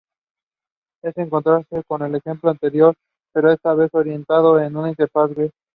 En contraste con el ejemplo anterior pero esta vez orientado en una interfaz Web.